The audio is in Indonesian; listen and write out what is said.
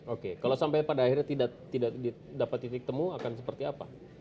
oke kalau sampai pada akhirnya tidak dapat titik temu akan seperti apa